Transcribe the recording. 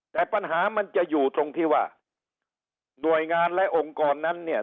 แต่ปัญหามันจะอยู่ตรงที่ว่าหน่วยงานและองค์กรนั้นเนี่ย